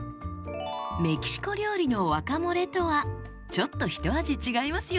メキシコ料理のワカモレとはちょっとひと味違いますよ。